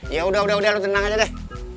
ya udah udah lu tenang aja deh